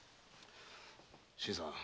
新さん。